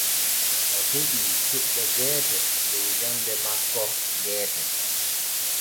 O heɓii toɓɓe geete dow jande makko geete.